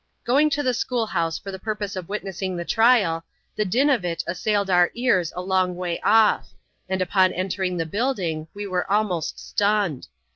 Going to the school house for the purpose of witnessing the trial, the din of it assailed our ears a long way off; and upon entering the building we ^«te «lmo«t stunned.